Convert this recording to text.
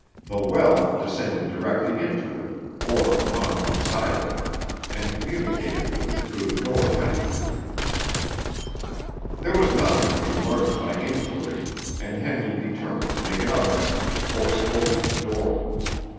The well descended directly into it, or upon one side of it, and communicated with it through the door mentioned. There was nothing to be learned by inquiry, and Henley determined to make another effort to force open the door.